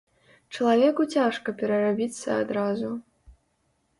Чалавеку цяжка перарабіцца адразу.